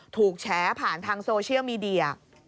แฉผ่านทางโซเชียลมีเดีย